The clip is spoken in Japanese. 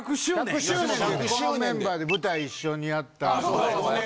このメンバーで舞台一緒にやった時。